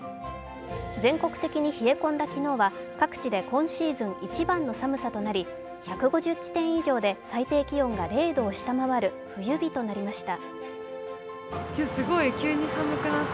全国的に冷え込んだ昨日は各地で今シーズン一番の寒さとなり１５０地点以上で最低気温が０度を下回る冬日となりました。